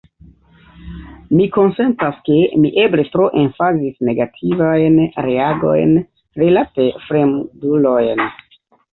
Mi konsentas, ke mi eble tro emfazis negativajn reagojn rilate fremdulojn.